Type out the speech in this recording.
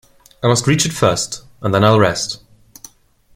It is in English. I must reach it first, and then I’ll rest.